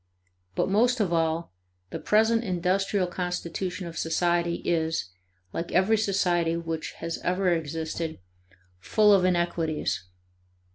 But, most of all, the present industrial constitution of society is, like every society which has ever existed, full of inequities.